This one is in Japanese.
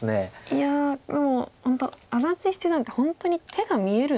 いやでも安達七段って本当に手が見えるんですね。